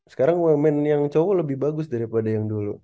sekarang bumn yang cowok lebih bagus daripada yang dulu